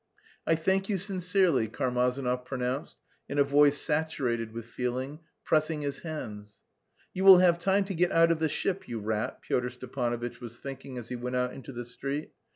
"I thank you sincerely," Karmazinov pronounced in a voice saturated with feeling, pressing his hands. "You will have time to get out of the ship, you rat," Pyotr Stepanovitch was thinking as he went out into the street.